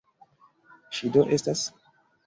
Ŝi do estas?